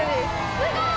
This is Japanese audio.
すごい！